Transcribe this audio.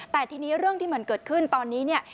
แต่ทีนี้เรื่องที่มันเกิดขึ้นตอนนี้เนี่ย